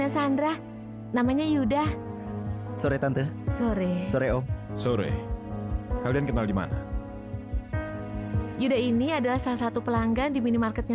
sampai jumpa di video selanjutnya